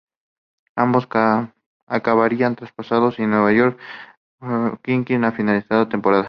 Ambos acabarían traspasados a New York Knicks al finalizar la temporada.